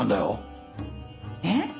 えっ！？